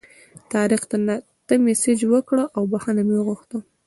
طارق ته مې مسیج وکړ او بخښنه مې وغوښته.